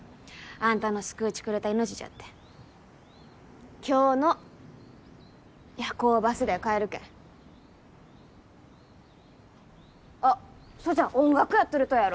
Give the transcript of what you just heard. アンタの救うちくれた命じゃって今日の夜行バスで帰るけんあっそうじゃ音楽やっとるとやろ？